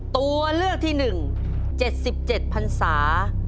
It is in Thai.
ตัวเลือกที่๑๗๗พันศา